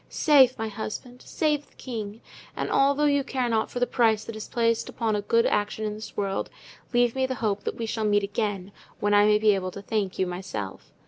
Save my husband! Save the king, and although you care not for the price that is placed upon a good action in this world, leave me the hope that we shall meet again, when I may be able to thank you myself.